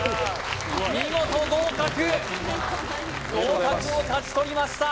見事合格合格を勝ち取りました